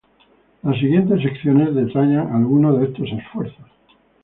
Las siguientes secciones detallan algunos de estos esfuerzos.